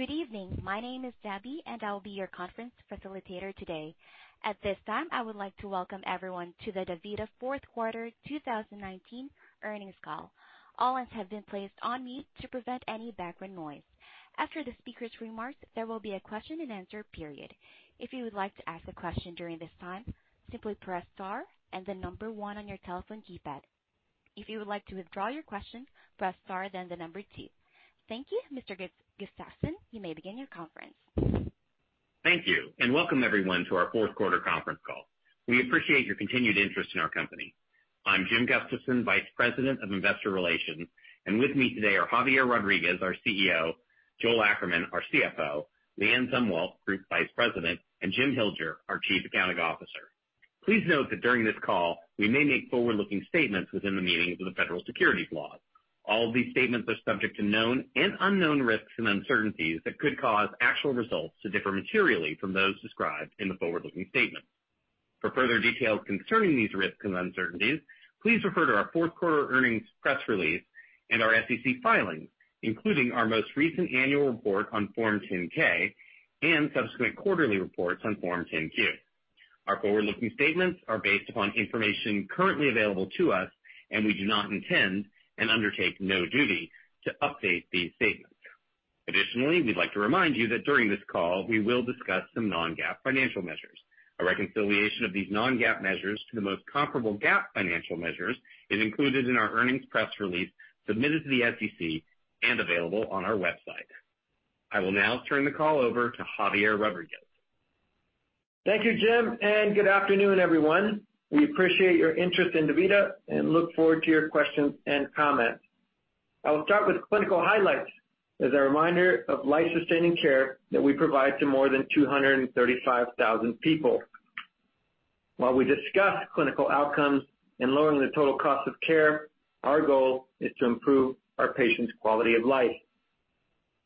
Good evening. My name is Debbie, and I will be your conference facilitator today. At this time, I would like to welcome everyone to the DaVita fourth quarter 2019 earnings call. All lines have been placed on mute to prevent any background noise. After the speaker's remarks, there will be a question and answer period. If you would like to ask a question during this time, simply press star and the number one on your telephone keypad. If you would like to withdraw your question, press star, then the number two. Thank you. Mr. Gustafson, you may begin your conference. Thank you. Welcome everyone to our fourth quarter conference call. We appreciate your continued interest in our company. I'm Jim Gustafson, Vice President of Investor Relations, and with me today are Javier Rodriguez, our CEO, Joel Ackerman, our CFO, LeAnne Zumwalt, Group Vice President, and Jim Hilger, our Chief Accounting Officer. Please note that during this call, we may make forward-looking statements within the meaning of the federal securities laws. All of these statements are subject to known and unknown risks and uncertainties that could cause actual results to differ materially from those described in the forward-looking statements. For further details concerning these risks and uncertainties, please refer to our fourth quarter earnings press release and our SEC filings, including our most recent annual report on Form 10-K and subsequent quarterly reports on Form 10-Q. Our forward-looking statements are based upon information currently available to us, and we do not intend and undertake no duty to update these statements. Additionally, we'd like to remind you that during this call, we will discuss some non-GAAP financial measures. A reconciliation of these non-GAAP measures to the most comparable GAAP financial measures is included in our earnings press release submitted to the SEC and available on our website. I will now turn the call over to Javier Rodriguez. Thank you, Jim. Good afternoon, everyone. We appreciate your interest in DaVita and look forward to your questions and comments. I will start with clinical highlights as a reminder of life-sustaining care that we provide to more than 235,000 people. While we discuss clinical outcomes in lowering the total cost of care, our goal is to improve our patients' quality of life.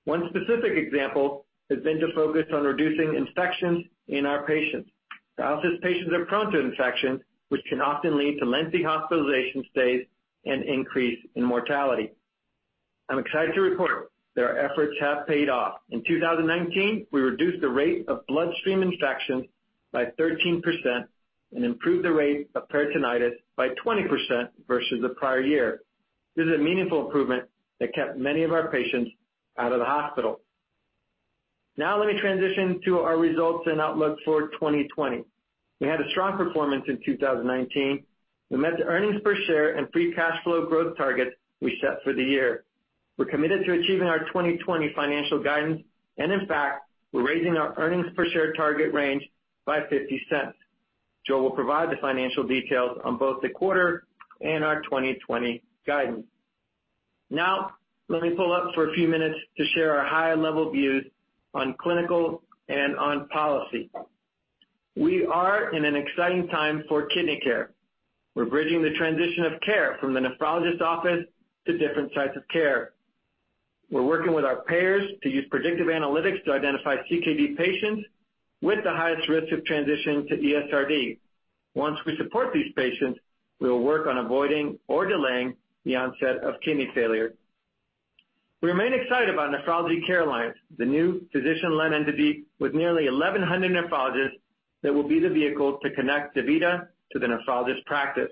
One specific example has been to focus on reducing infections in our patients. Dialysis patients are prone to infections, which can often lead to lengthy hospitalization stays and increase in mortality. I'm excited to report that our efforts have paid off. In 2019, we reduced the rate of bloodstream infections by 13% and improved the rate of peritonitis by 20% versus the prior year. This is a meaningful improvement that kept many of our patients out of the hospital. Let me transition to our results and outlook for 2020. We had a strong performance in 2019. We met the EPS and free cash flow growth targets we set for the year. We're committed to achieving our 2020 financial guidance. In fact, we're raising our EPS target range by $0.50. Joe will provide the financial details on both the quarter and our 2020 guidance. Let me pull back for a few minutes to share our high-level views on clinical and on policy. We are in an exciting time for kidney care. We're bridging the transition of care from the nephrologist office to different sites of care. We're working with our payers to use predictive analytics to identify CKD patients with the highest risk of transition to ESRD. Once we support these patients, we will work on avoiding or delaying the onset of kidney failure. We remain excited about Nephrology Care Alliance, the new physician-led entity with nearly 1,100 nephrologists that will be the vehicle to connect DaVita to the nephrologist practice.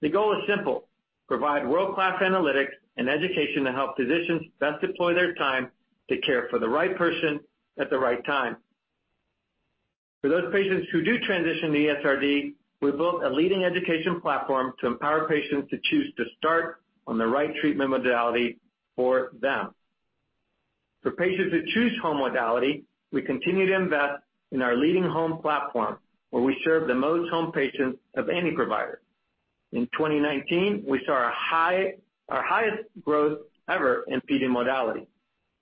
The goal is simple, provide world-class analytics and education to help physicians best deploy their time to care for the right person at the right time. For those patients who do transition to ESRD, we built a leading education platform to empower patients to choose to start on the right treatment modality for them. For patients who choose home modality, we continue to invest in our leading home platform, where we serve the most home patients of any provider. In 2019, we saw our highest growth ever in PD modality.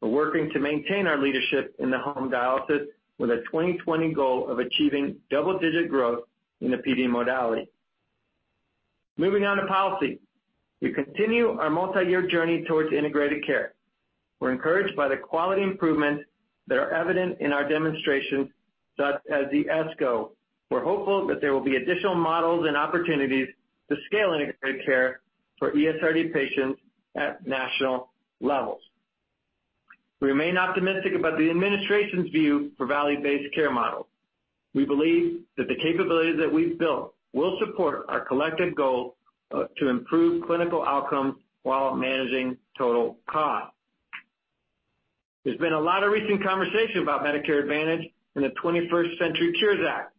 We're working to maintain our leadership in the home dialysis with a 2020 goal of achieving double-digit growth in the PD modality. Moving on to policy. We continue our multi-year journey towards integrated care. We're encouraged by the quality improvements that are evident in our demonstration, such as the ESCO. We're hopeful that there will be additional models and opportunities to scale integrated care for ESRD patients at national levels. We remain optimistic about the administration's view for value-based care models. We believe that the capabilities that we've built will support our collective goal to improve clinical outcomes while managing total cost. There's been a lot of recent conversation about Medicare Advantage in the 21st Century Cures Act.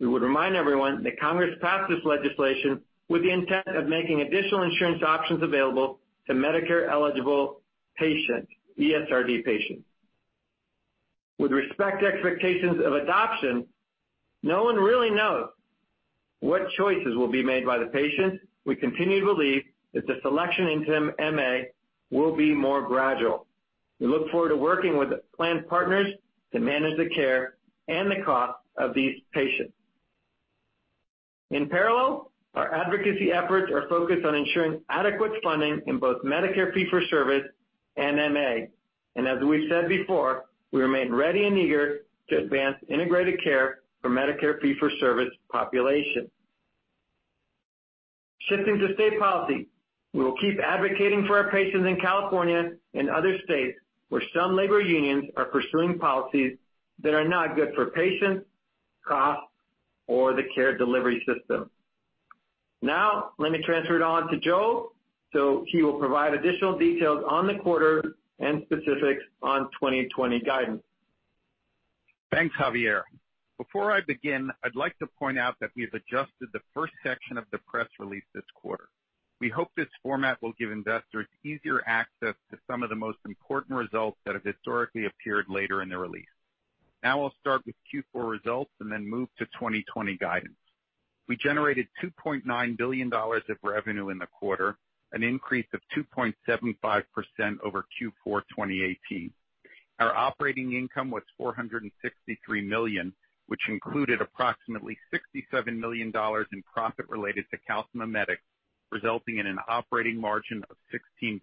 We would remind everyone that Congress passed this legislation with the intent of making additional insurance options available to Medicare-eligible patients, ESRD patients. With respect to expectations of adoption, no one really knows what choices will be made by the patients. We continue to believe that the selection into MA will be more gradual. We look forward to working with planned partners to manage the care and the cost of these patients. In parallel, our advocacy efforts are focused on ensuring adequate funding in both Medicare fee-for-service and MA. As we've said before, we remain ready and eager to advance integrated care for Medicare fee-for-service population. Shifting to state policy, we will keep advocating for our patients in California and other states where some labor unions are pursuing policies that are not good for patients, costs, or the care delivery system. Now let me transfer it on to Joel, so he will provide additional details on the quarter and specifics on 2020 guidance. Thanks, Javier. Before I begin, I'd like to point out that we've adjusted the first section of the press release this quarter. We hope this format will give investors easier access to some of the most important results that have historically appeared later in the release. I'll start with Q4 results and then move to 2020 guidance. We generated $2.9 billion of revenue in the quarter, an increase of 2.75% over Q4 2018. Our operating income was $463 million, which included approximately $67 million in profit related to Calcimimetics, resulting in an operating margin of 16%.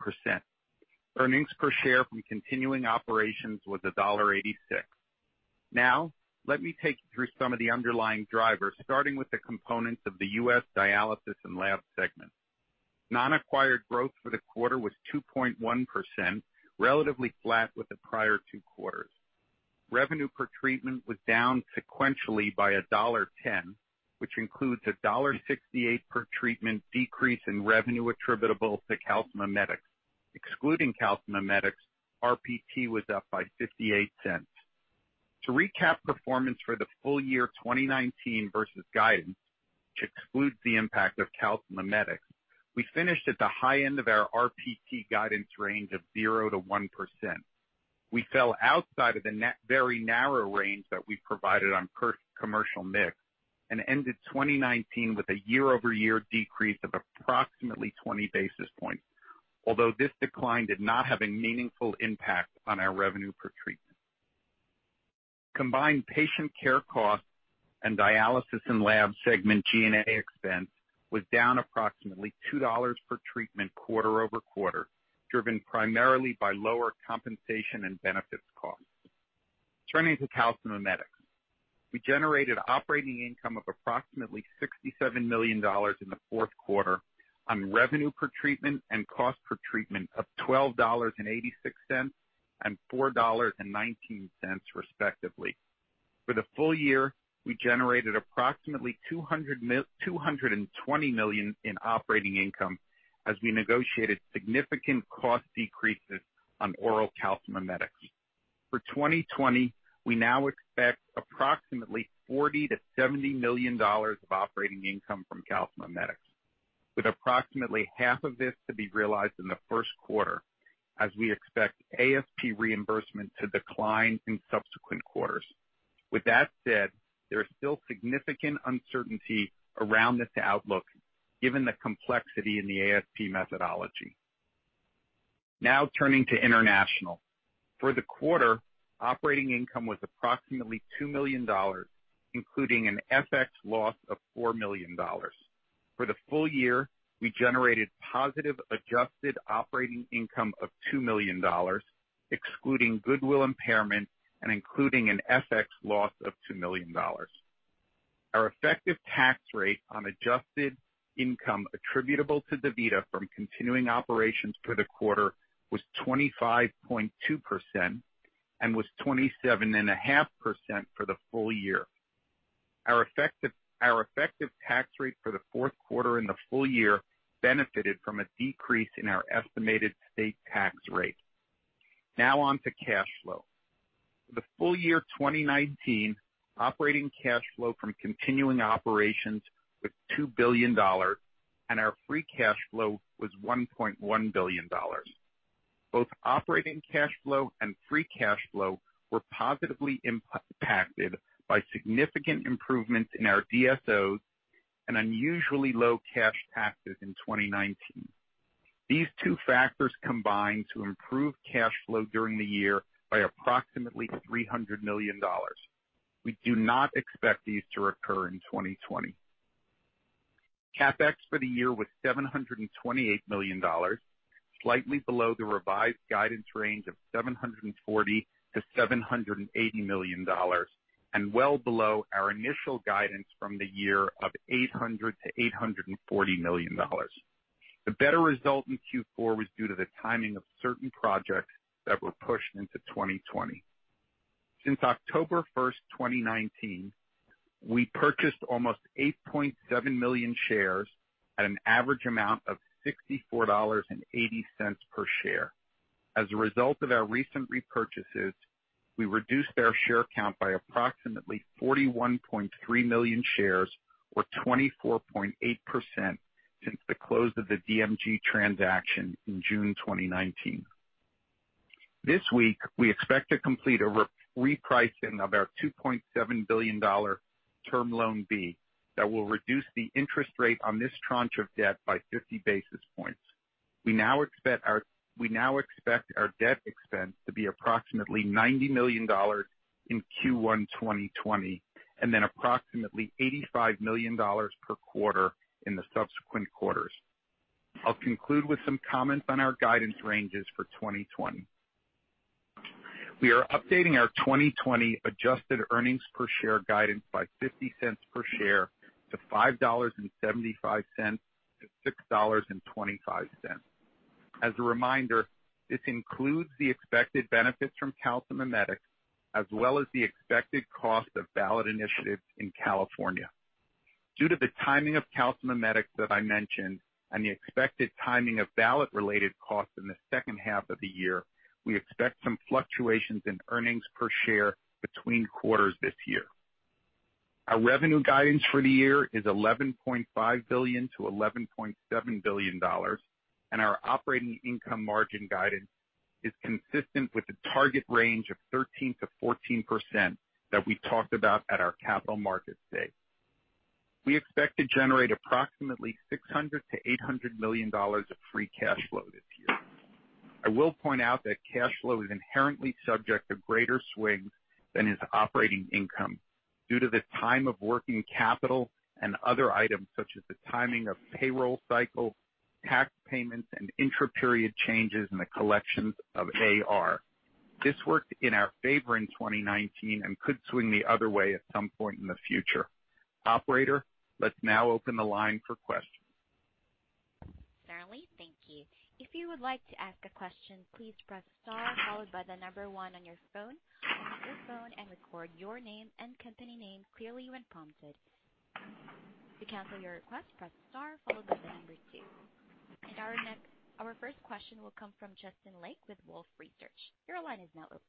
Earnings per share from continuing operations was $1.86. Let me take you through some of the underlying drivers, starting with the components of the U.S. dialysis and lab segment. Non-acquired growth for the quarter was 2.1%, relatively flat with the prior two quarters. Revenue per treatment was down sequentially by $1.10, which includes a $1.68 per treatment decrease in revenue attributable to Calcimimetics. Excluding Calcimimetics, RPT was up by $0.58. To recap performance for the full year 2019 versus guidance, which excludes the impact of Calcimimetics, we finished at the high end of our RPT guidance range of 0%-1%. We fell outside of the very narrow range that we provided on commercial mix, and ended 2019 with a year-over-year decrease of approximately 20 basis points. Although this decline did not have a meaningful impact on our revenue per treatment. Combined patient care costs and dialysis and lab segment G&A expense was down approximately $2 per treatment quarter-over-quarter, driven primarily by lower compensation and benefits costs. Turning to Calcimimetics. We generated operating income of approximately $67 million in the fourth quarter on revenue per treatment and cost per treatment of $12.86 and $4.19 respectively. For the full year, we generated approximately $220 million in operating income as we negotiated significant cost decreases on oral Calcimimetics. For 2020, we now expect approximately $40 million-$70 million of operating income from Calcimimetics, with approximately half of this to be realized in the first quarter, as we expect ASP reimbursement to decline in subsequent quarters. With that said, there is still significant uncertainty around this outlook given the complexity in the ASP methodology. Now turning to international. For the quarter, operating income was approximately $2 million, including an FX loss of $4 million. For the full year, we generated positive adjusted operating income of $2 million, excluding goodwill impairment and including an FX loss of $2 million. Our effective tax rate on adjusted income attributable to DaVita from continuing operations for the quarter was 25.2% and was 27.5% for the full year. Our effective tax rate for the fourth quarter and the full year benefited from a decrease in our estimated state tax rate. Now on to cash flow. For the full year 2019, operating cash flow from continuing operations was $2 billion, and our free cash flow was $1.1 billion. Both operating cash flow and free cash flow were positively impacted by significant improvements in our DSOs and unusually low cash taxes in 2019. These two factors combined to improve cash flow during the year by approximately $300 million. We do not expect these to recur in 2020. CapEx for the year was $728 million, slightly below the revised guidance range of $740 million-$780 million, and well below our initial guidance from the year of $800 million-$840 million. The better result in Q4 was due to the timing of certain projects that were pushed into 2020. Since October 1, 2019, we purchased almost 8.7 million shares at an average amount of $64.80 per share. As a result of our recent repurchases, we reduced our share count by approximately 41.3 million shares or 24.8% since the close of the DMG transaction in June 2019. This week, we expect to complete a repricing of our $2.7 billion term loan B that will reduce the interest rate on this tranche of debt by 50 basis points. We now expect our debt expense to be approximately $90 million in Q1 2020, and then approximately $85 million per quarter in the subsequent quarters. I'll conclude with some comments on our guidance ranges for 2020. We are updating our 2020 adjusted earnings per share guidance by $0.50 per share to $5.75-$6.25. As a reminder, this includes the expected benefits from Calcimimetics, as well as the expected cost of ballot initiatives in California. Due to the timing of Calcimimetics that I mentioned and the expected timing of ballot-related costs in the second half of the year, we expect some fluctuations in earnings per share between quarters this year. Our revenue guidance for the year is $11.5 billion-$11.7 billion, and our operating income margin guidance is consistent with the target range of 13%-14% that we talked about at our Capital Markets Day. We expect to generate approximately $600 million-$800 million of free cash flow this year. I will point out that cash flow is inherently subject to greater swings than is operating income due to the time of working capital and other items such as the timing of payroll cycle, tax payments, and intra-period changes in the collections of AR. This worked in our favor in 2019 and could swing the other way at some point in the future. Operator, let's now open the line for questions. Certainly. Thank you. If you would like to ask a question, please press star followed by the number one on your phone, pick up your phone and record your name and company name clearly when prompted. To cancel your request, press star followed by the number two. Our first question will come from Justin Lake with Wolfe Research. Your line is now open.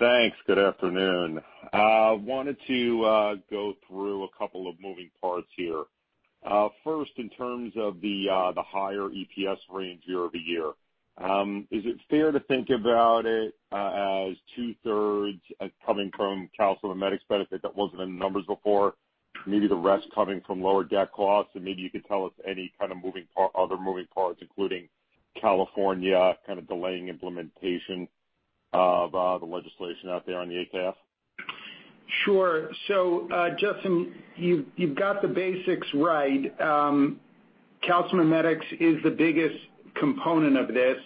Thanks. Good afternoon. I wanted to go through a couple of moving parts here. First, in terms of the higher EPS range year-over-year, is it fair to think about it as two-thirds coming from Calcimimetics benefit that wasn't in the numbers before, maybe the rest coming from lower debt costs? Maybe you could tell us any other moving parts, including California kind of delaying implementation of the legislation out there on the ACA? Sure. Justin, you've got the basics right. Calcimimetics is the biggest component of this,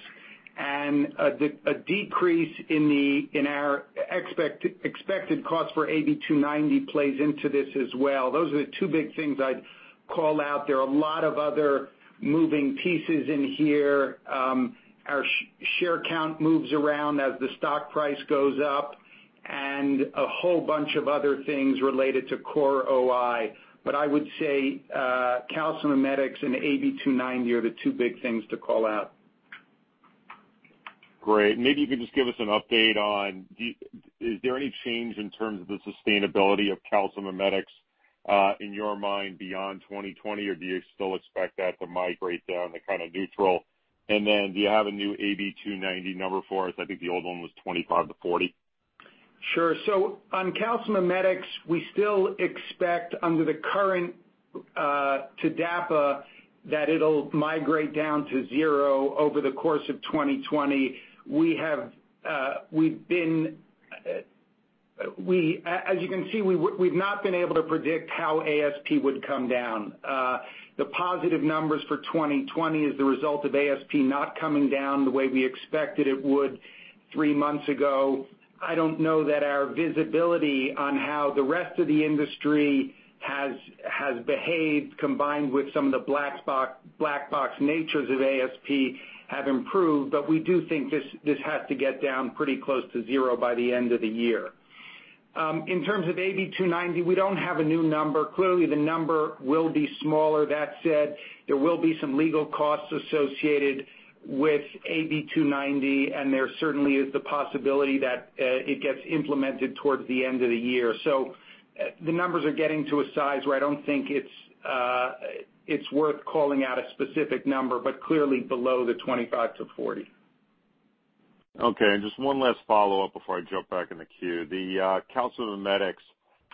and a decrease in our expected cost for AB 290 plays into this as well. Those are the two big things I'd call out. There are a lot of other moving pieces in here. Our share count moves around as the stock price goes up, and a whole bunch of other things related to core OI. I would say Calcimimetics and AB 290 are the two big things to call out. Great. Maybe you can just give us an update on, is there any change in terms of the sustainability of Calcimimetics, in your mind, beyond 2020? Do you still expect that to migrate down to kind of neutral? Do you have a new AB 290 number for us? I think the old one was 25-40. Sure. On Calcimimetics, we still expect under the current TDAPA, that it'll migrate down to zero over the course of 2020. As you can see, we've not been able to predict how ASP would come down. The positive numbers for 2020 is the result of ASP not coming down the way we expected it would three months ago. I don't know that our visibility on how the rest of the industry has behaved, combined with some of the black box natures of ASP, have improved. We do think this has to get down pretty close to zero by the end of the year. In terms of AB 290, we don't have a new number. Clearly, the number will be smaller. That said, there will be some legal costs associated with AB 290, and there certainly is the possibility that it gets implemented towards the end of the year. The numbers are getting to a size where I don't think it's worth calling out a specific number, but clearly below the 25-40. Okay, just one last follow-up before I jump back in the queue. The Calcimimetics,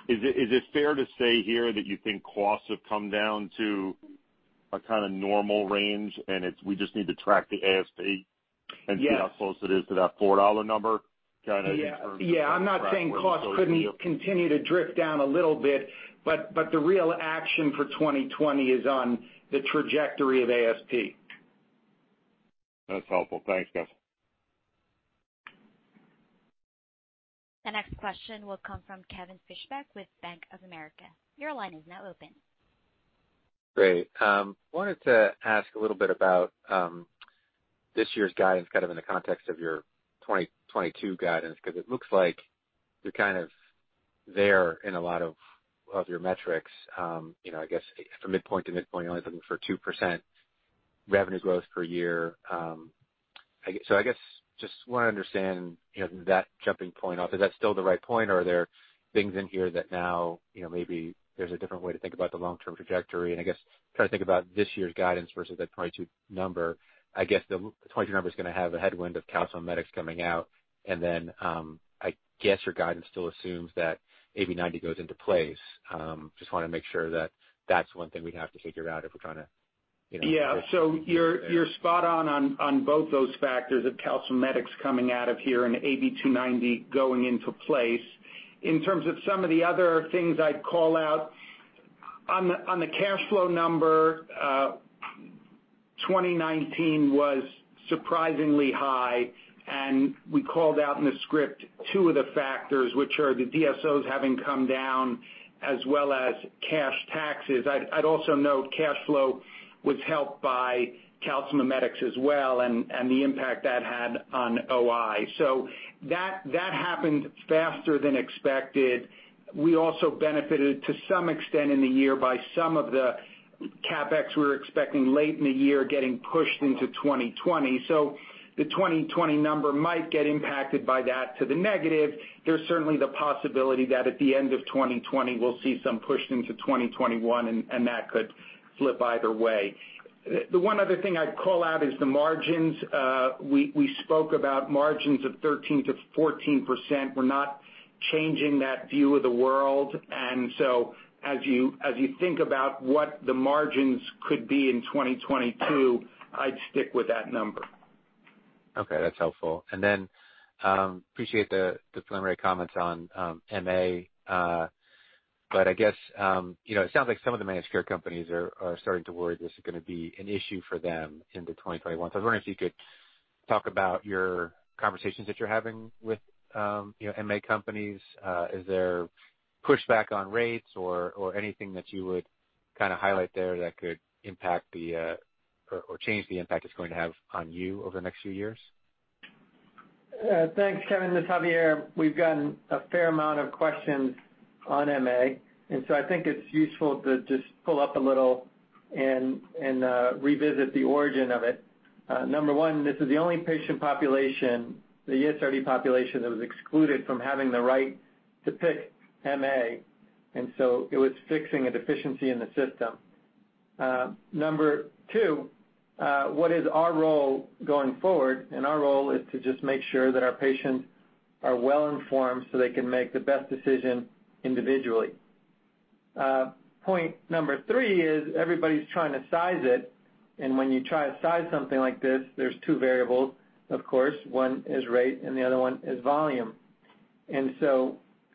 is it fair to say here that you think costs have come down to a kind of normal range, and we just need to track the ASP. Yes. See how close it is to that $4 number. Yeah. I'm not saying costs couldn't continue to drift down a little bit, but the real action for 2020 is on the trajectory of ASP. That's helpful. Thanks, guys. The next question will come from Kevin Fischbeck with Bank of America. Your line is now open. Great. Wanted to ask a little bit about this year's guidance, kind of in the context of your 2022 guidance, because it looks like you're kind of there in a lot of your metrics. I guess from midpoint to midpoint, only looking for 2% revenue growth per year. I guess just want to understand that jumping point off. Is that still the right point, or are there things in here that now maybe there's a different way to think about the long-term trajectory? I guess trying to think about this year's guidance versus that 22 number. I guess the 22 number is going to have a headwind of Calcimimetics coming out, then I guess your guidance still assumes that AB 290 goes into place. Just want to make sure that that's one thing we have to figure out if we're trying to. Yeah. You're spot on both those factors of Calcimimetics coming out of here and AB 290 going into place. In terms of some of the other things I'd call out nn the cash flow number, 2019 was surprisingly high. We called out in the script two of the factors, which are the DSOs having come down as well as cash taxes. I'd also note cash flow was helped by Calcimimetics as well and the impact that had on OI. That happened faster than expected. We also benefited to some extent in the year by some of the CapEx we were expecting late in the year getting pushed into 2020. The 2020 number might get impacted by that to the negative. There's certainly the possibility that at the end of 2020, we'll see some push into 2021 that could flip either way. The one other thing I'd call out is the margins. We spoke about margins of 13% to 14%. We're not changing that view of the world. As you think about what the margins could be in 2022, I'd stick with that number. Okay, that's helpful. Appreciate the preliminary comments on MA, I guess, it sounds like some of the managed care companies are starting to worry this is going to be an issue for them into 2021. I was wondering if you could talk about your conversations that you're having with MA companies. Is there pushback on rates or anything that you would highlight there that could impact or change the impact it's going to have on you over the next few years? Thanks, Kevin. This is Javier. We've gotten a fair amount of questions on MA, and so I think it's useful to just pull up a little and revisit the origin of it. Number one, this is the only patient population, the ESRD population, that was excluded from having the right to pick MA, and so it was fixing a deficiency in the system. Number two, what is our role going forward? Our role is to just make sure that our patients are well-informed so they can make the best decision individually. Point number three is everybody's trying to size it, and when you try to size something like this, there's two variables, of course. One is rate and the other one is volume.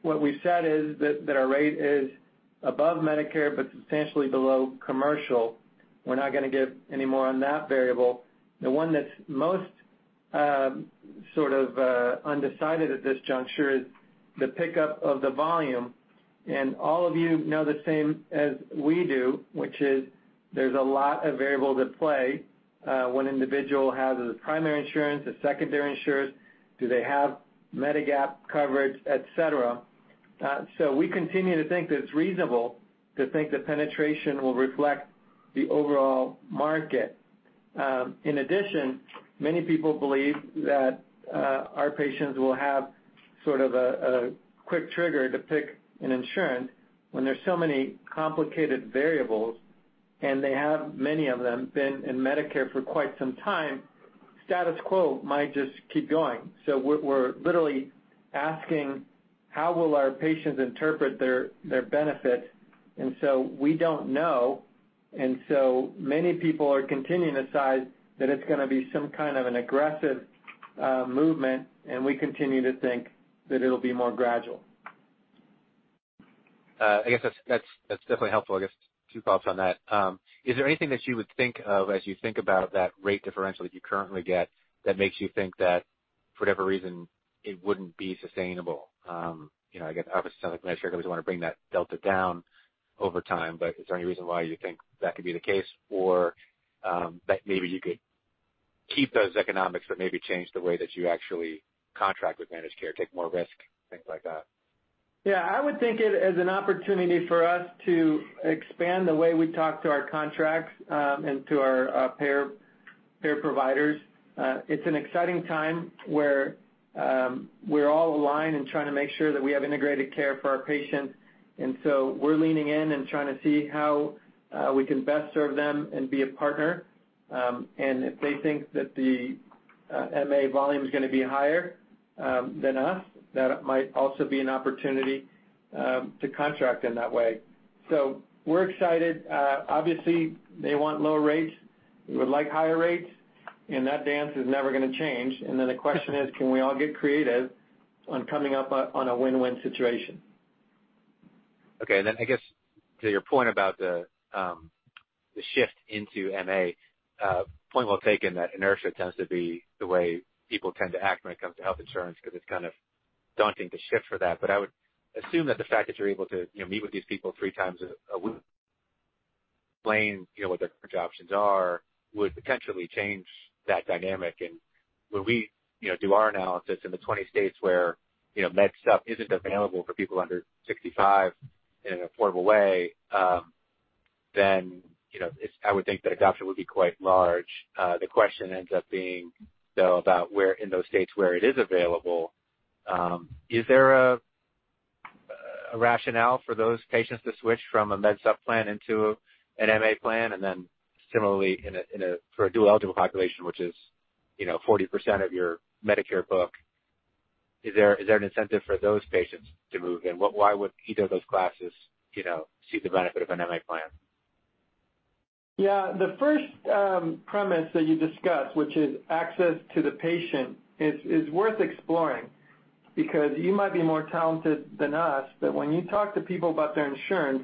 What we've said is that our rate is above Medicare but substantially below commercial. We're not going to give any more on that variable. The one that's most undecided at this juncture is the pickup of the volume. All of you know the same as we do, which is there's a lot of variables at play. One individual has a primary insurance, a secondary insurance. Do they have Medigap coverage, et cetera? We continue to think that it's reasonable to think that penetration will reflect the overall market. In addition, many people believe that our patients will have a quick trigger to pick an insurance when there's so many complicated variables, and they have, many of them, been in Medicare for quite some time. Status quo might just keep going. We're literally asking, how will our patients interpret their benefits? We don't know, many people are continuing to size that it's going to be some kind of an aggressive movement, and we continue to think that it'll be more gradual. I guess that's definitely helpful. I guess two thoughts on that. Is there anything that you would think of as you think about that rate differential that you currently get that makes you think that for whatever reason, it wouldn't be sustainable? I guess, obviously, it sounds like managed care companies want to bring that delta down over time, but is there any reason why you think that could be the case or that maybe you could keep those economics but maybe change the way that you actually contract with managed care, take more risk, things like that? I would think it as an opportunity for us to expand the way we talk to our contracts, and to our payer providers. It's an exciting time where we're all aligned and trying to make sure that we have integrated care for our patients. We're leaning in and trying to see how we can best serve them and be a partner. If they think that the MA volume is going to be higher than us, that might also be an opportunity to contract in that way. We're excited. Obviously, they want lower rates. We would like higher rates, and that dance is never going to change. The question is: Can we all get creative on coming up on a win-win situation? Okay. I guess to your point about the shift into MA, point well taken, that inertia tends to be the way people tend to act when it comes to health insurance because it's kind of daunting to shift for that. I would assume that the fact that you're able to meet with these people three times a week, explain what their current options are, would potentially change that dynamic. When we do our analysis in the 20 states where MedSup isn't available for people under 65 in an affordable way, I would think that adoption would be quite large. The question ends up being, though, about where in those states where it is available, is there a rationale for those patients to switch from a MedSup plan into an MA plan? Similarly, for a dual-eligible population, which is 40% of your Medicare book, is there an incentive for those patients to move? Why would either of those classes see the benefit of an MA plan? Yeah. The first premise that you discussed, which is access to the patient, is worth exploring because you might be more talented than us, but when you talk to people about their insurance,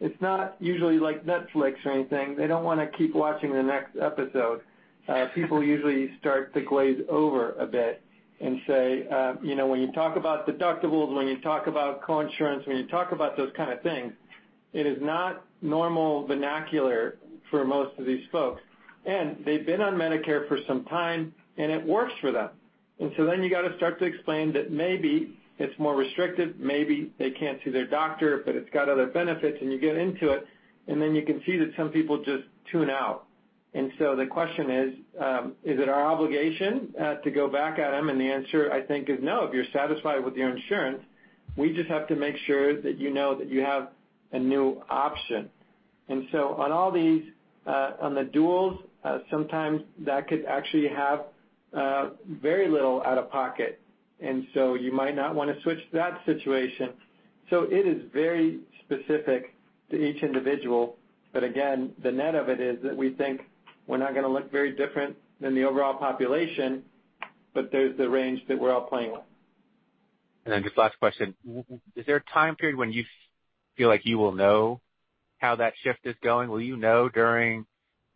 it's not usually like Netflix or anything. They don't want to keep watching the next episode. People usually start to glaze over a bit and say, when you talk about deductibles, when you talk about co-insurance, when you talk about those kind of things, it is not normal vernacular for most of these folks. They've been on Medicare for some time, and it works for them. You got to start to explain that maybe it's more restrictive, maybe they can't see their doctor, but it's got other benefits, and you get into it, and then you can see that some people just tune out. The question is: Is it our obligation to go back at them? The answer, I think, is no. If you're satisfied with your insurance, we just have to make sure that you know that you have a new option. On all these, on the duals, sometimes that could actually have very little out-of-pocket. You might not want to switch that situation. It is very specific to each individual. Again, the net of it is that we think we're not going to look very different than the overall population, but there's the range that we're all playing with. Just last question. Is there a time period when you feel like you will know how that shift is going? Will you know during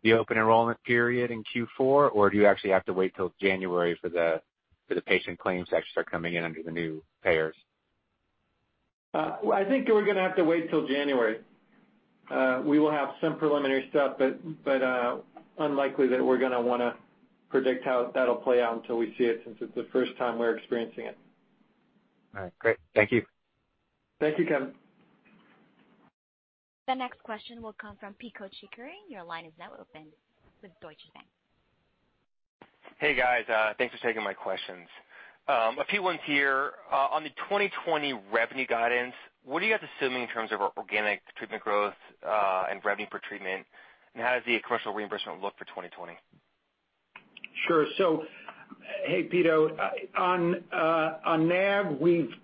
the open enrollment period in Q4, or do you actually have to wait till January for the patient claims to actually start coming in under the new payers? I think we're going to have to wait till January. We will have some preliminary stuff. Unlikely that we're going to want to predict how that'll play out until we see it, since it's the first time we're experiencing it. All right, great. Thank you. Thank you, Kevin. The next question will come from Pito Chickering. Your line is now open with Deutsche Bank. Hey, guys. Thanks for taking my questions. A few ones here. On the 2020 revenue guidance, what are you guys assuming in terms of organic treatment growth and revenue per treatment? How does the commercial reimbursement look for 2020? Sure. Hey, Pito. On NAG,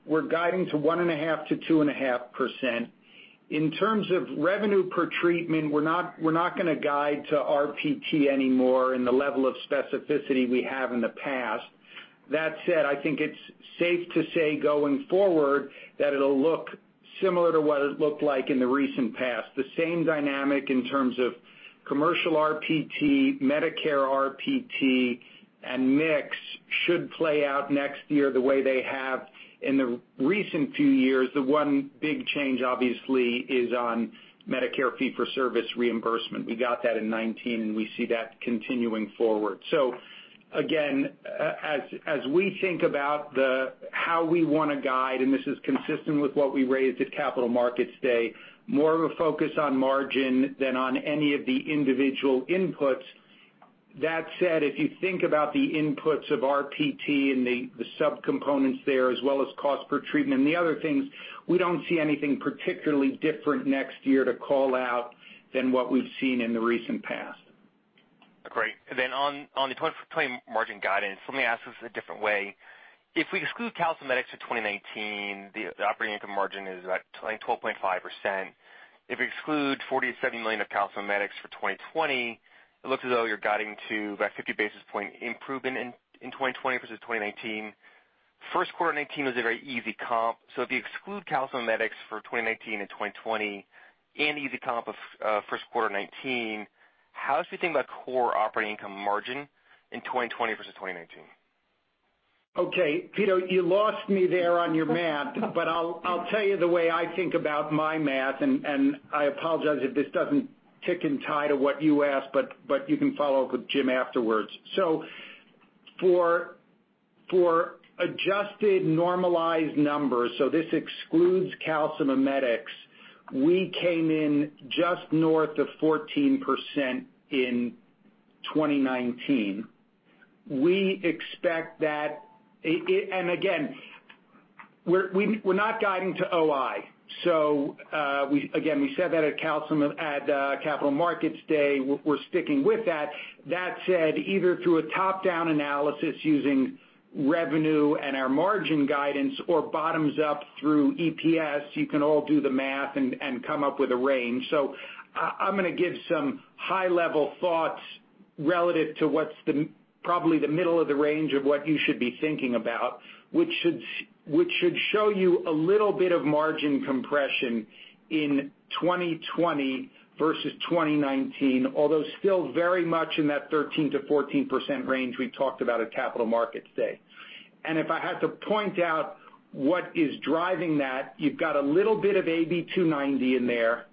we're guiding to 1.5%-2.5%. In terms of revenue per treatment, we're not going to guide to RPT anymore in the level of specificity we have in the past. That said, I think it's safe to say going forward that it'll look similar to what it looked like in the recent past. The same dynamic in terms of commercial RPT, Medicare RPT, and mix should play out next year the way they have in the recent few years. The one big change, obviously, is on Medicare fee-for-service reimbursement. We got that in 2019, and we see that continuing forward. Again, as we think about how we want to guide, and this is consistent with what we raised at Capital Markets Day, more of a focus on margin than on any of the individual inputs. That said, if you think about the inputs of RPT and the subcomponents there, as well as cost per treatment and the other things, we don't see anything particularly different next year to call out than what we've seen in the recent past. Great. On the 2020 margin guidance, let me ask this a different way. If we exclude Calcimimetics for 2019, the operating income margin is like 12.5%. If you exclude $47 million of Calcimimetics for 2020, it looks as though you're guiding to about 50 basis points improvement in 2020 versus 2019. First quarter 2019 was a very easy comp, so if you exclude Calcimimetics for 2019 and 2020 and easy comp of first quarter 2019, how should we think about core operating income margin in 2020 versus 2019? Pito, you lost me there on your math, but I'll tell you the way I think about my math, and I apologize if this doesn't tick and tie to what you asked, but you can follow up with Jim afterwards. For adjusted normalized numbers, this excludes Calcimimetics, we came in just north of 14% in 2019. We expect that. Again, we're not guiding to OI. Again, we said that at Capital Markets Day. We're sticking with that. That said, either through a top-down analysis using revenue and our margin guidance or bottoms-up through EPS, you can all do the math and come up with a range. I'm going to give some high-level thoughts relative to what's probably the middle of the range of what you should be thinking about, which should show you a little bit of margin compression in 2020 versus 2019, although still very much in that 13%-14% range we talked about at Capital Markets Day. If I had to point out what is driving that, you've got a little bit of AB 290 in there.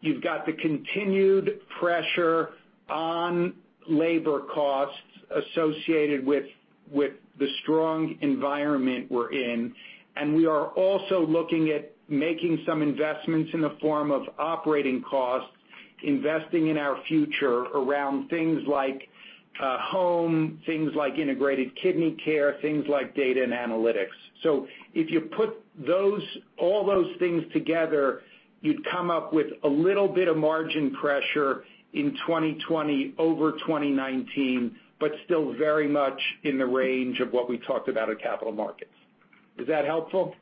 You've got the continued pressure on labor costs associated with the strong environment we're in. We are also looking at making some investments in the form of operating costs, investing in our future around things like home, things like integrated kidney care, things like data and analytics. If you put all those things together, you'd come up with a little bit of margin pressure in 2020 over 2019, but still very much in the range of what we talked about at Capital Markets. Is that helpful?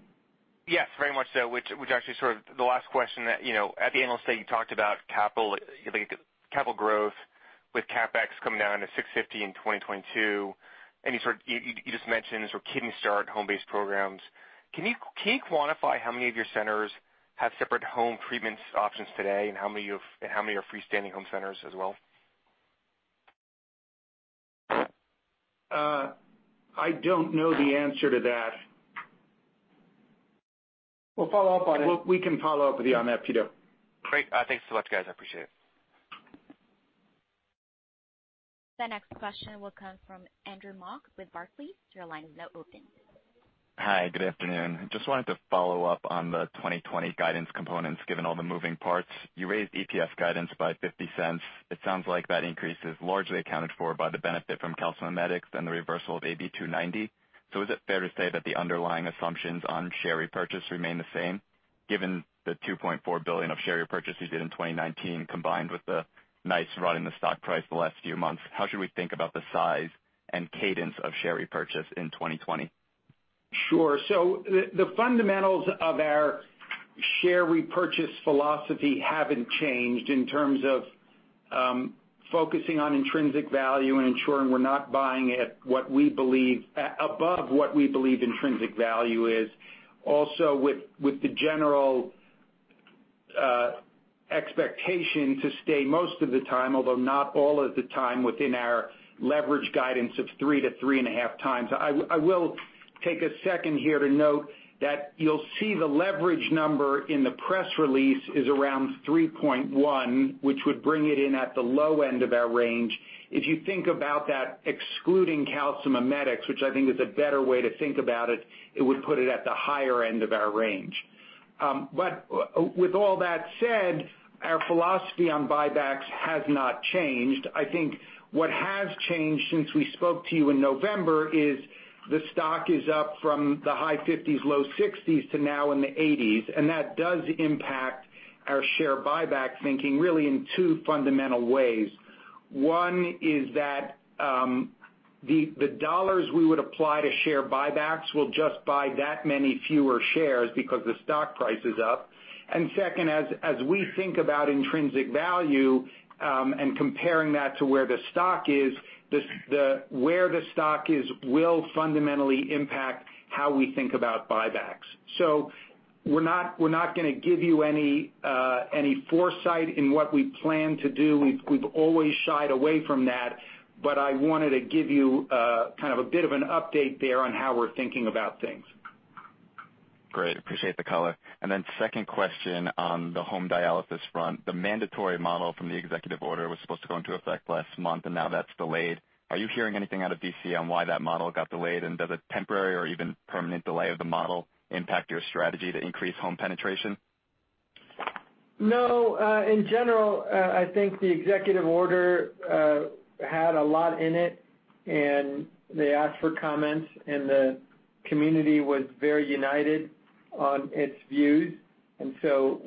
Yes, very much so, which actually sort of the last question that at the annual state you talked about capital growth with CapEx coming down to 650 in 2022, and you just mentioned sort of kidney start home-based programs. Can you quantify how many of yo ur centers have separate home treatments options today, and how many are freestanding home centers as well? I don't know the answer to that. We'll follow up on it. We can follow up with you on that, Pito. Great. Thanks so much, guys, I appreciate it. The next question will come from Andrew Mok with Barclays. Your line is now open. Hi, good afternoon. Just wanted to follow up on the 2020 guidance components, given all the moving parts. You raised EPS guidance by $0.50. It sounds like that increase is largely accounted for by the benefit from Calcimimetics and the reversal of AB 290. Is it fair to say that the underlying assumptions on share repurchase remain the same, given the $2.4 billion of share repurchase you did in 2019, combined with the nice run in the stock price the last few months? How should we think about the size and cadence of share repurchase in 2020? Sure. The fundamentals of our share repurchase philosophy haven't changed in terms of focusing on intrinsic value and ensuring we're not buying above what we believe intrinsic value is. Also, with the general expectation to stay most of the time, although not all of the time, within our leverage guidance of 3-3.5 times. I will take a second here to note that you'll see the leverage number in the press release is around 3.1, which would bring it in at the low end of our range. If you think about that excluding Calcimimetics, which I think is a better way to think about it would put it at the higher end of our range. With all that said, our philosophy on buybacks has not changed. I think what has changed since we spoke to you in November is the stock is up from the high 50s, low 60s to now in the 80s, and that does impact our share buyback thinking really in two fundamental ways. One is that the dollars we would apply to share buybacks will just buy that many fewer shares because the stock price is up. Second, as we think about intrinsic value and comparing that to where the stock is, where the stock is will fundamentally impact how we think about buybacks. We're not going to give you any foresight in what we plan to do. We've always shied away from that. I wanted to give you kind of a bit of an update there on how we're thinking about things. Great. Appreciate the color. Second question on the home dialysis front. The mandatory model from the executive order was supposed to go into effect last month, and now that's delayed. Are you hearing anything out of D.C. on why that model got delayed? Does a temporary or even permanent delay of the model impact your strategy to increase home penetration? No. In general, I think the executive order had a lot in it, and they asked for comments, and the community was very united on its views.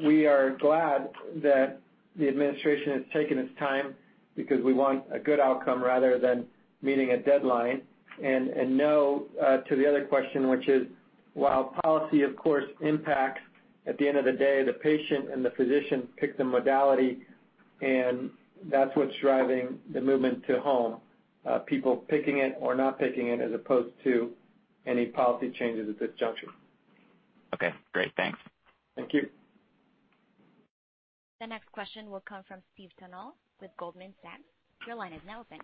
We are glad that the administration has taken its time because we want a good outcome rather than meeting a deadline. No to the other question, which is, while policy of course impacts, at the end of the day, the patient and the physician pick the modality, and that's what's driving the movement to home, people picking it or not picking it as opposed to any policy changes at this juncture. Okay, great. Thanks. Thank you. The next question will come from Steve Tanal with Goldman Sachs. Your line is now open.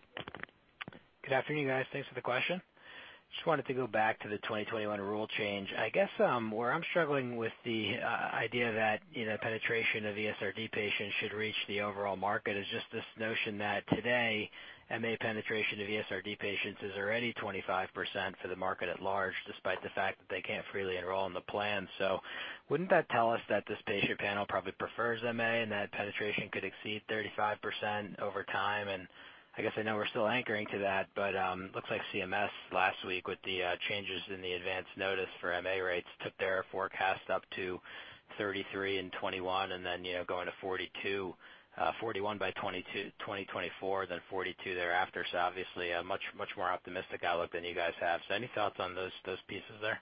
Good afternoon, guys. Thanks for the question. Wanted to go back to the 2021 rule change. I guess where I'm struggling with the idea that penetration of ESRD patients should reach the overall market is just this notion that today, MA penetration of ESRD patients is already 25% for the market at large, despite the fact that they can't freely enroll in the plan. Wouldn't that tell us that this patient panel probably prefers MA and that penetration could exceed 35% over time? I guess I know we're still anchoring to that, looks like CMS last week with the changes in the advance notice for MA rates took their forecast up to 33 in 2021 and then going to 41 by 2024, then 42 thereafter. Obviously a much more optimistic outlook than you guys have. Any thoughts on those pieces there?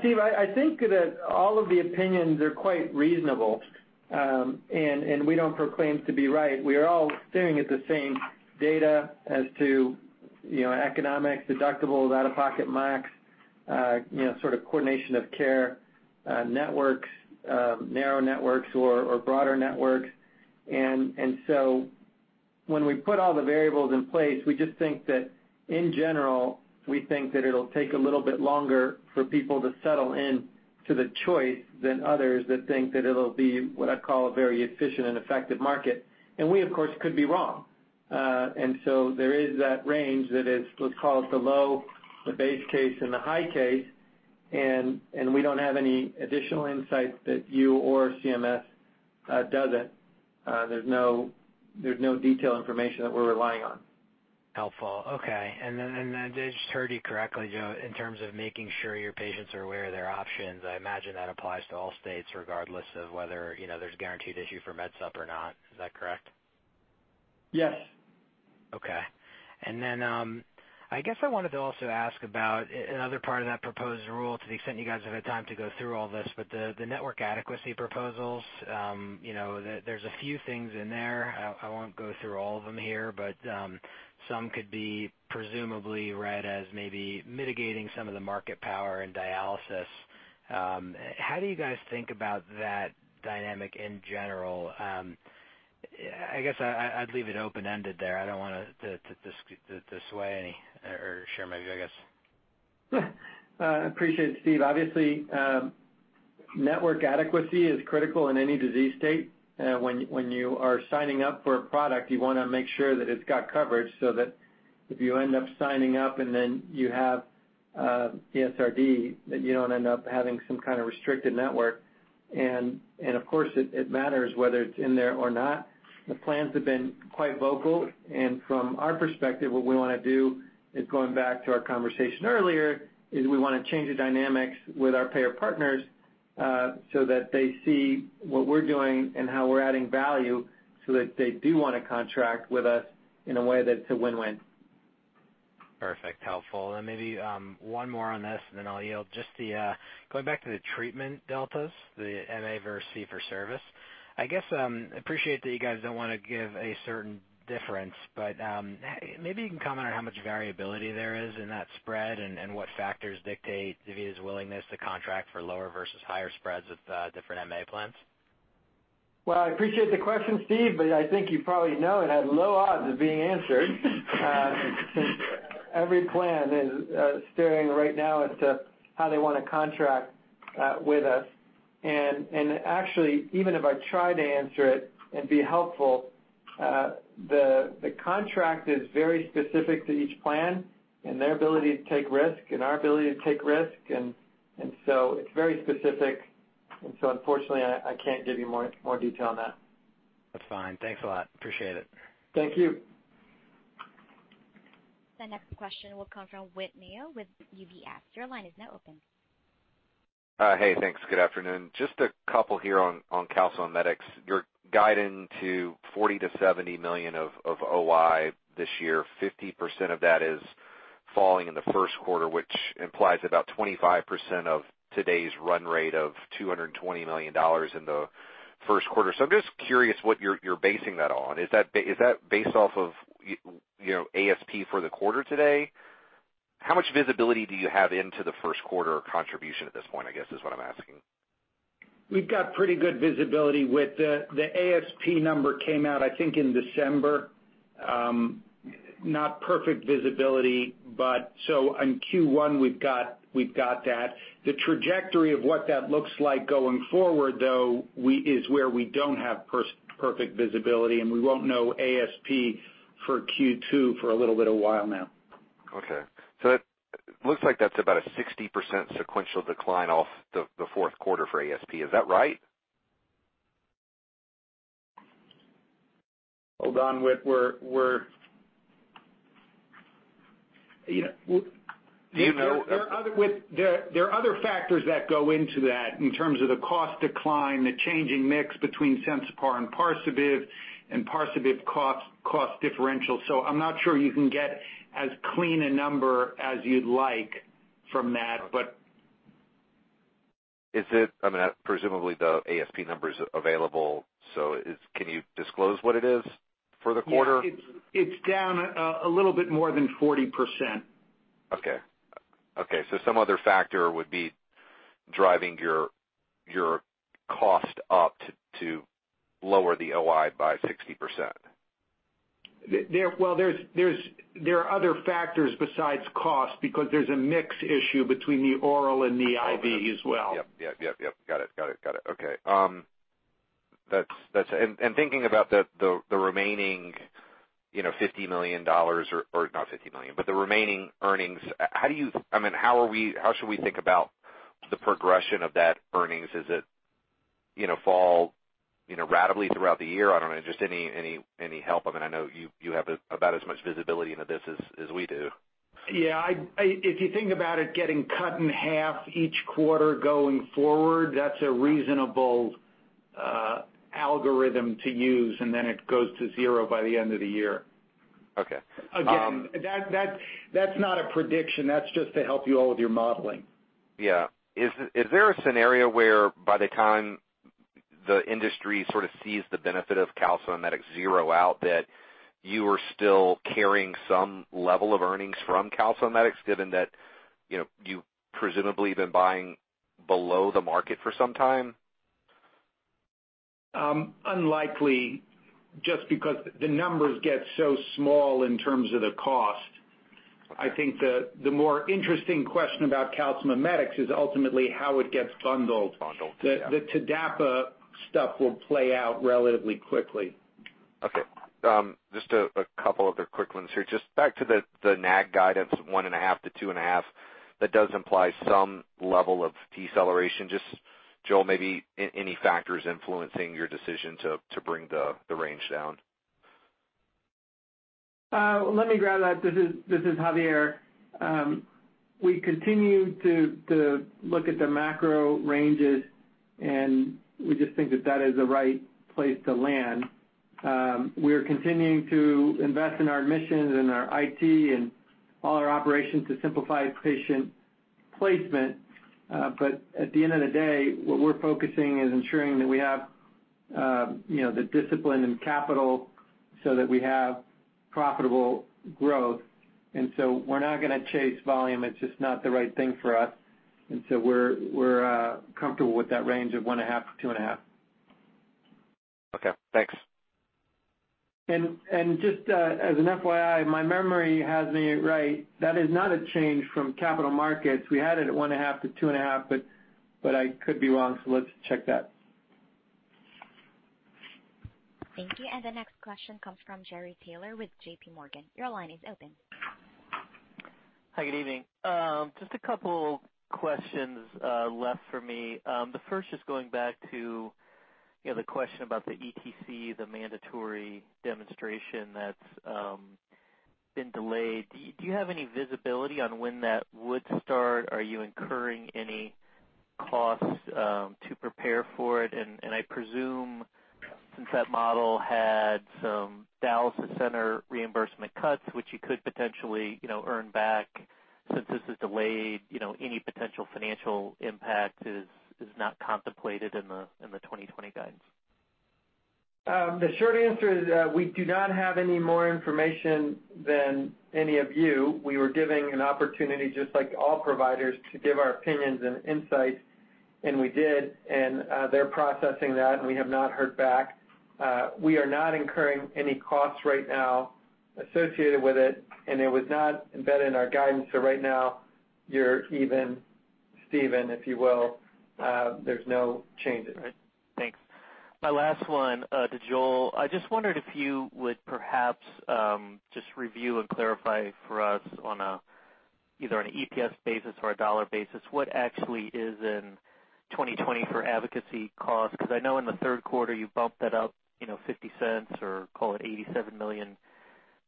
Steve, I think that all of the opinions are quite reasonable, and we don't proclaim to be right. We are all staring at the same data as to economics, deductibles, out-of-pocket max, sort of coordination of care networks, narrow networks or broader networks. When we put all the variables in place, we just think that in general, we think that it'll take a little bit longer for people to settle in to the choice than others that think that it'll be what I call a very efficient and effective market. We, of course, could be wrong. There is that range that is, let's call it the low, the base case and the high case, and we don't have any additional insight that you or CMS doesn't. There's no detailed information that we're relying on. Helpful. Okay, I just heard you correctly, Joel, in terms of making sure your patients are aware of their options. I imagine that applies to all states regardless of whether there's guaranteed issue for MedSup or not. Is that correct? Yes. Okay. I guess I wanted to also ask about another part of that proposed rule to the extent you guys have had time to go through all this, but the network adequacy proposals, there's a few things in there. I won't go through all of them here, but some could be presumably read as maybe mitigating some of the market power in dialysis. How do you guys think about that dynamic in general? I guess I'd leave it open-ended there. I don't want to sway any or share my view, I guess. Appreciate it, Steve. Obviously, network adequacy is critical in any disease state. When you are signing up for a product, you want to make sure that it's got coverage so that if you end up signing up and then you have ESRD, that you don't end up having some kind of restricted network. Of course, it matters whether it's in there or not. The plans have been quite vocal, and from our perspective, what we want to do is going back to our conversation earlier, is we want to change the dynamics with our payer partners, so that they see what we're doing and how we're adding value so that they do want to contract with us in a way that's a win-win. Perfect. Helpful. Maybe one more on this, and then I'll yield. Just going back to the treatment deltas, the MA versus fee for service. Appreciate that you guys don't want to give a certain difference, but maybe you can comment on how much variability there is in that spread and what factors dictate DaVita's willingness to contract for lower versus higher spreads with different MA plans. Well, I appreciate the question, Steve, but I think you probably know it had low odds of being answered. Since every plan is staring right now as to how they want to contract with us. Actually, even if I try to answer it and be helpful, the contract is very specific to each plan and their ability to take risk and our ability to take risk. It's very specific. Unfortunately, I can't give you more detail on that. That's fine. Thanks a lot. Appreciate it. Thank you. The next question will come from Whit Mayo with UBS. Your line is now open. Hey, thanks. Good afternoon. Just a couple here on Calcimimetics. Your guidance to $40 million-$70 million of OI this year, 50% of that is falling in the first quarter, which implies about 25% of today's run rate of $220 million in the first quarter. I'm just curious what you're basing that on. Is that based off of ASP for the quarter today? How much visibility do you have into the first quarter contribution at this point, I guess, is what I'm asking? We've got pretty good visibility with the ASP number came out, I think, in December. Not perfect visibility, so on Q1 we've got that. The trajectory of what that looks like going forward, though, is where we don't have perfect visibility, and we won't know ASP for Q2 for a little bit a while now. Okay. It looks like that's about a 60% sequential decline off the fourth quarter for ASP. Is that right? Hold on, Whit, there are other factors that go into that in terms of the cost decline, the changing mix between Sensipar and Parsabiv, and Parsabiv cost differential. I'm not sure you can get as clean a number as you'd like from that. I mean, presumably the ASP number's available, can you disclose what it is for the quarter? Yes. It's down a little bit more than 40%. Okay. Some other factor would be driving your cost up to lower the OI by 60%. Well, there are other factors besides cost because there's a mix issue between the oral and the IV as well. Yep. Got it. Okay. Thinking about the remaining $50 million or, not $50 million, but the remaining earnings, how should we think about the progression of that earnings? Is it fall ratably throughout the year? I don't know, just any help. I mean, I know you have about as much visibility into this as we do. Yeah. If you think about it getting cut in half each quarter going forward, that's a reasonable algorithm to use, and then it goes to zero by the end of the year. Okay. That's not a prediction. That's just to help you all with your modeling. Yeah. Is there a scenario where by the time the industry sort of sees the benefit of Calcimimetics zero out that you are still carrying some level of earnings from Calcimimetics given that you've presumably been buying below the market for some time? Unlikely, just because the numbers get so small in terms of the cost. Okay. I think the more interesting question about Calcimimetics is ultimately how it gets bundled. Bundled, yeah. The TDAPA stuff will play out relatively quickly. Okay. Just a couple other quick ones here. Just Joel, maybe any factors influencing your decision to bring the range down? Let me grab that. This is Javier. We continue to look at the macro ranges. We just think that that is the right place to land. We're continuing to invest in our missions and our IT and all our operations to simplify patient placement. At the end of the day, what we're focusing is ensuring that we have the discipline and capital so that we have profitable growth. We're not going to chase volume. It's just not the right thing for us. We're comfortable with that range of one and a half to two and a half. Okay, thanks. Just as an FYI, my memory has me right, that is not a change from capital markets. We had it at one and a half to two and a half, but I could be wrong, so let's check that. Thank you. The next question comes from Gary Taylor with JPMorgan. Your line is open. Hi, good evening. Just a couple questions left for me. The first is going back to the question about the ETC, the mandatory demonstration that's been delayed. Do you have any visibility on when that would start? Are you incurring any costs to prepare for it? I presume since that model had some dialysis center reimbursement cuts, which you could potentially earn back since this is delayed, any potential financial impact is not contemplated in the 2020 guidance. The short answer is we do not have any more information than any of you. We were given an opportunity, just like all providers, to give our opinions and insights, and we did, and they're processing that, and we have not heard back. We are not incurring any costs right now associated with it, and it was not embedded in our guidance. Right now you're even-steven, if you will. There's no changes. All right. Thanks. My last one to Joel, I just wondered if you would perhaps just review and clarify for us on either an EPS basis or a dollar basis what actually is in 2020 for advocacy cost. I know in the third quarter you bumped that up $0.50 or call it $87 million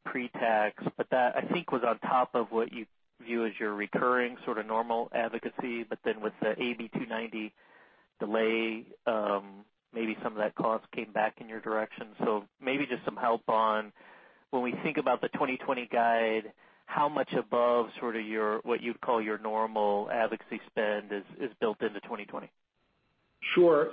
pre-tax. That, I think, was on top of what you view as your recurring sort of normal advocacy. Then with the AB 290 delay, maybe some of that cost came back in your direction. Maybe just some help on when we think about the 2020 guide, how much above sort of what you'd call your normal advocacy spend is built into 2020? Sure.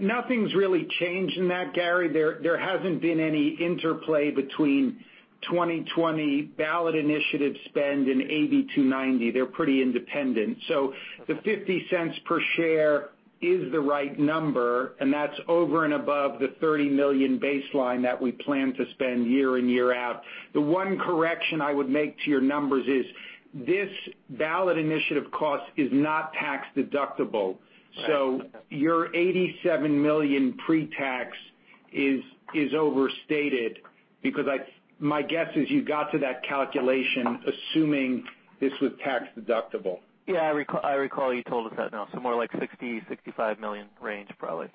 Nothing's really changed in that, Gary. There hasn't been any interplay between 2020 ballot initiative spend and AB 290. They're pretty independent. The $0.50 per share is the right number, and that's over and above the $30 million baseline that we plan to spend year in, year out. The one correction I would make to your numbers is this ballot initiative cost is not tax-deductible. Right. Your $87 million pre-tax is overstated because my guess is you got to that calculation assuming this was tax-deductible. Yeah, I recall you told us that. No, more like $60 million-$65 million range, probably.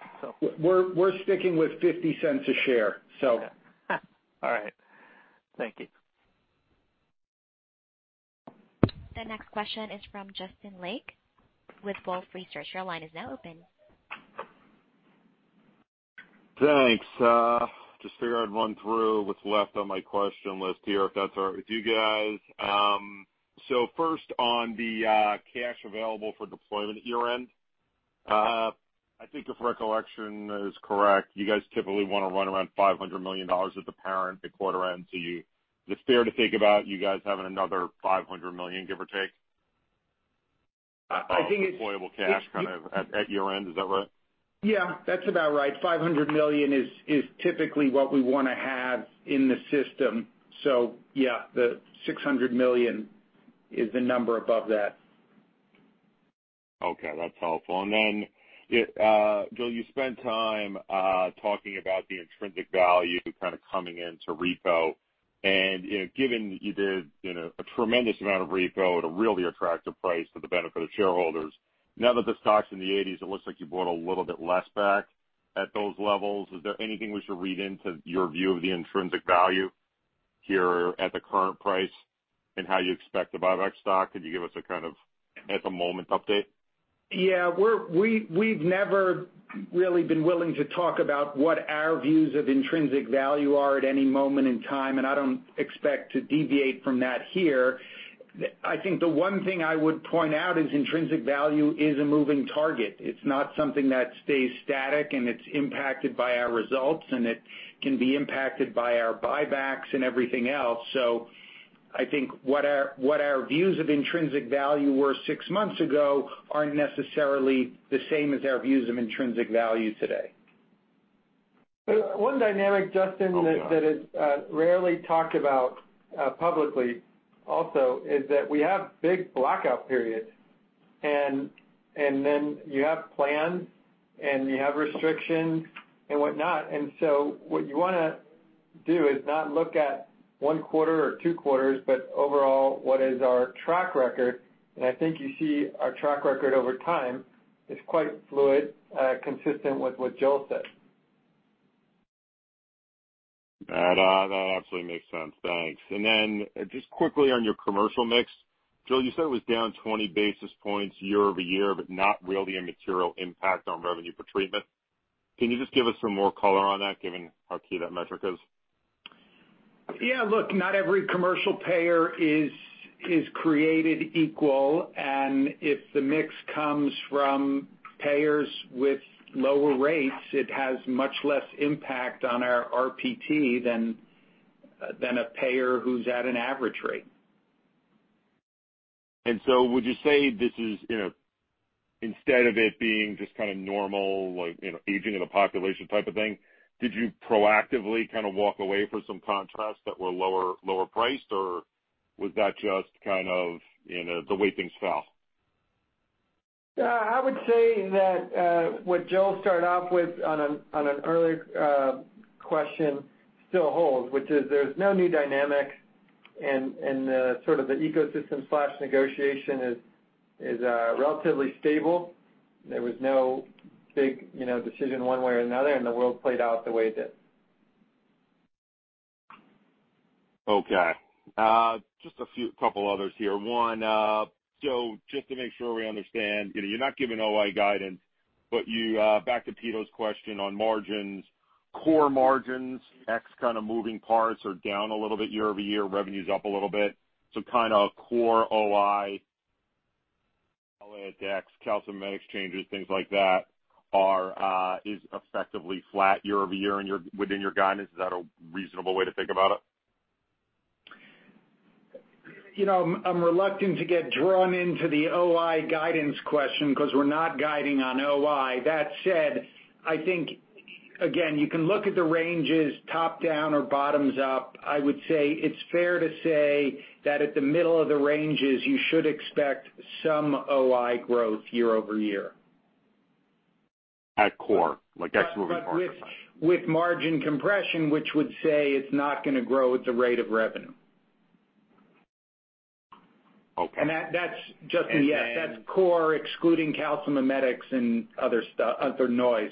We're sticking with $0.50 a share. All right. Thank you. The next question is from Justin Lake with Wolfe Research. Your line is now open. Thanks. Just figured I'd run through what's left on my question list here, if that's all right with you guys. First on the cash available for deployment at year-end. I think if recollection is correct, you guys typically want to run around $500 million at the parent at quarter end. Is it fair to think about you guys having another $500 million, give or take? I think it's- Of deployable cash kind of at year-end. Is that right? Yeah, that's about right. $500 million is typically what we want to have in the system. Yeah, the $600 million is the number above that. Okay, that's helpful. Joel, you spent time talking about the intrinsic value kind of coming into repo and given you did a tremendous amount of repo at a really attractive price for the benefit of shareholders. Now that the stock's in the eighties, it looks like you bought a little bit less back at those levels. Is there anything we should read into your view of the intrinsic value here at the current price and how you expect to buy back stock? Could you give us a kind of at-the-moment update? Yeah. We've never really been willing to talk about what our views of intrinsic value are at any moment in time, and I don't expect to deviate from that here. I think the one thing I would point out is intrinsic value is a moving target. It's not something that stays static, and it's impacted by our results, and it can be impacted by our buybacks and everything else. I think what our views of intrinsic value were six months ago aren't necessarily the same as our views of intrinsic value today. One dynamic, Justin, that is rarely talked about publicly also is that we have big blackout periods. You have plans and you have restrictions and whatnot. What you want to do is not look at one quarter or two quarters, but overall what is our track record. I think you see our track record over time. It's quite fluid, consistent with what Joel said. That absolutely makes sense. Thanks. Just quickly on your commercial mix, Joel, you said it was down 20 basis points year-over-year, but not really a material impact on revenue per treatment. Can you just give us some more color on that, given how key that metric is? Yeah, look, not every commercial payer is created equal, if the mix comes from payers with lower rates, it has much less impact on our RPT than a payer who's at an average rate. Would you say this is, instead of it being just normal, aging of the population type of thing, did you proactively walk away from some contracts that were lower priced, or was that just the way things fell? I would say that, what Joel started off with on an earlier question still holds, which is there's no new dynamic, and the ecosystem/negotiation is relatively stable. There was no big decision one way or another, and the world played out the way it did. Okay. Just a few couple others here. One, just to make sure we understand, you're not giving OI guidance, but back to Pito's question on margins, core margins, X kind of moving parts are down a little bit year-over-year, revenue's up a little bit. Core OI, Calcimimetics changes, things like that, is effectively flat year-over-year within your guidance. Is that a reasonable way to think about it? I'm reluctant to get drawn into the OI guidance question because we're not guiding on OI. That said, I think, again, you can look at the ranges top-down or bottoms-up. I would say it's fair to say that at the middle of the ranges, you should expect some OI growth year-over-year. At core, like ex moving parts. With margin compression, which would say it's not going to grow at the rate of revenue. Okay. That's core excluding Calcimimetics and other noise.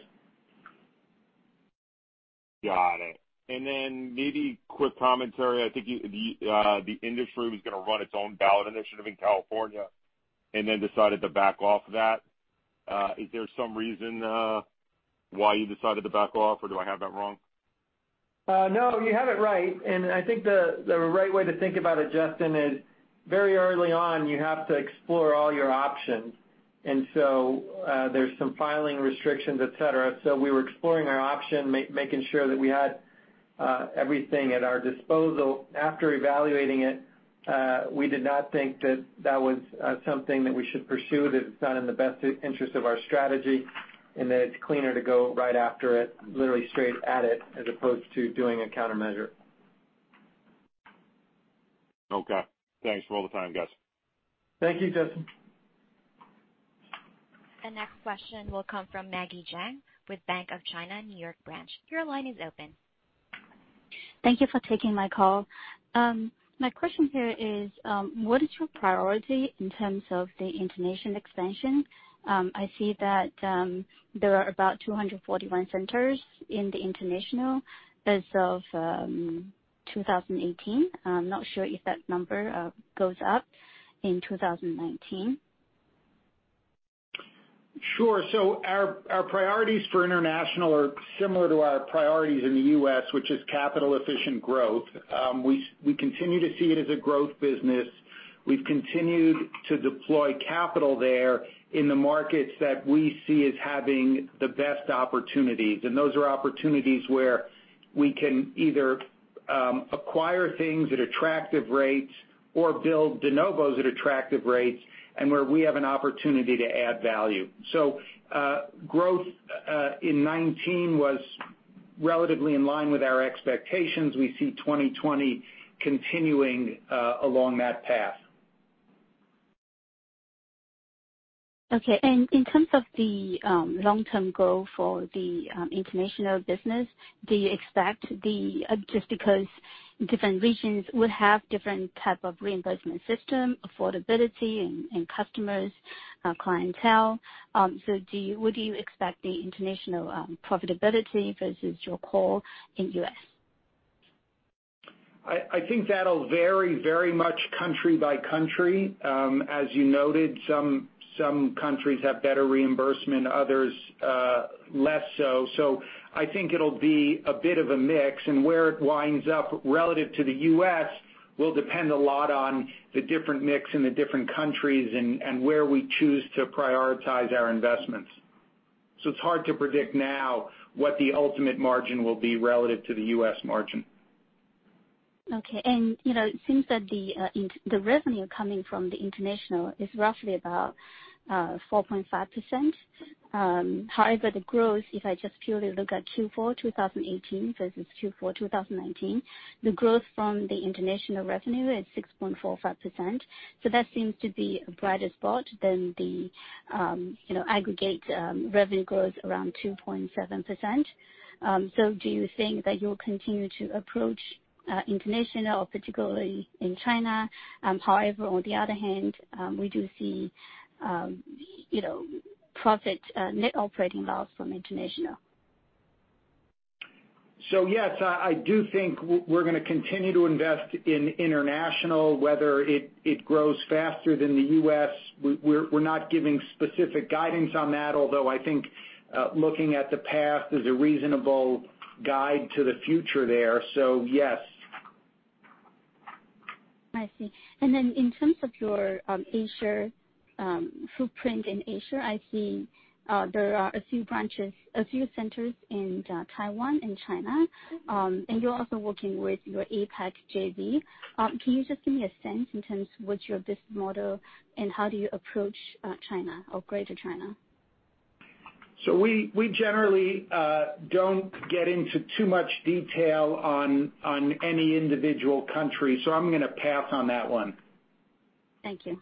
Got it. Maybe quick commentary, I think the industry was going to run its own ballot initiative in California and then decided to back off that. Is there some reason why you decided to back off, or do I have that wrong? No, you have it right. I think the right way to think about it, Justin, is very early on, you have to explore all your options. There's some filing restrictions, et cetera. We were exploring our option, making sure that we had everything at our disposal. After evaluating it, we did not think that that was something that we should pursue, that it's not in the best interest of our strategy, and that it's cleaner to go right after it, literally straight at it, as opposed to doing a countermeasure. Okay. Thanks for all the time, guys. Thank you, Justin. The next question will come from Maggie Jiang with Bank of China, New York branch. Your line is open. Thank you for taking my call. My question here is, what is your priority in terms of the international expansion? I see that there are about 241 centers in the international as of 2018. I'm not sure if that number goes up in 2019. Sure. Our priorities for international are similar to our priorities in the U.S., which is capital-efficient growth. We continue to see it as a growth business. We've continued to deploy capital there in the markets that we see as having the best opportunities, and those are opportunities where we can either acquire things at attractive rates or build de novos at attractive rates, and where we have an opportunity to add value. Growth in 2019 was relatively in line with our expectations. We see 2020 continuing along that path. Okay. In terms of the long-term goal for the international business, just because different regions would have different type of reimbursement system, affordability, and customers, clientele, would you expect the international profitability versus your core in U.S.? I think that'll vary very much country by country. As you noted, some countries have better reimbursement, others less so. I think it'll be a bit of a mix, and where it winds up relative to the U.S. will depend a lot on the different mix in the different countries and where we choose to prioritize our investments. It's hard to predict now what the ultimate margin will be relative to the U.S. margin. Okay. It seems that the revenue coming from the international is roughly about 4.5%. However, the growth, if I just purely look at Q4 2018 versus Q4 2019, the growth from the international revenue is 6.45%. That seems to be a brighter spot than the aggregate revenue growth around 2.7%. Do you think that you'll continue to approach international, particularly in China? However, on the other hand, we do see net operating loss from international. Yes, I do think we're going to continue to invest in international, whether it grows faster than the U.S., we're not giving specific guidance on that, although I think looking at the past is a reasonable guide to the future there. Yes. I see. Then in terms of your footprint in Asia, I see there are a few centers in Taiwan and China. You're also working with your APAC JV. Can you just give me a sense in terms of what's your business model, and how do you approach China or Greater China? We generally don't get into too much detail on any individual country. I'm going to pass on that one. Thank you.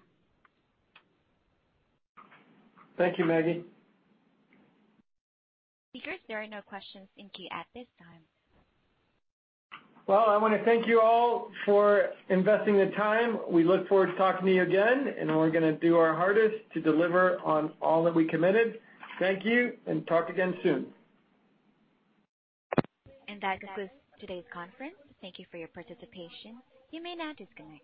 Thank you, Maggie. Speakers, there are no questions in queue at this time. Well, I want to thank you all for investing the time. We look forward to talking to you again. We're going to do our hardest to deliver on all that we committed. Thank you. Talk again soon. That concludes today's conference. Thank you for your participation. You may now disconnect.